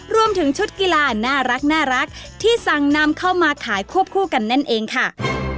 รวมถึงชุดกีฬาน่ารักที่สั่งนำเข้ามาขายควบคู่กันนั่นเองค่ะ